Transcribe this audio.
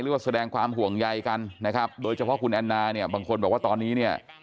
แสดงความห่วงใยกันนะครับโดยเฉพาะคุณแอนนาเนี่ยบางคนบอกว่าตอนนี้เนี่ย